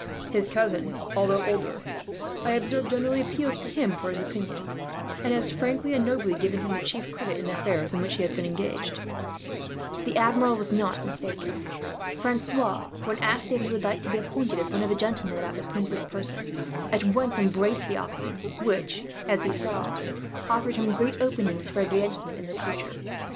His cousin, although older, I observe generally appeals to him for his opinion; and has frankly and nobly given him the chief credit, in the affairs in which he has been engaged." The Admiral was not mistaken. Francois, when asked if he would like to be appointed as one of the gentlemen about the prince's person, at once embraced the offer; which, as he saw, afforded him great openings for advancement in the future.